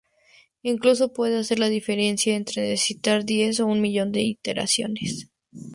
Incluso puede hacer la diferencia entre necesitar diez o un millón de iteraciones.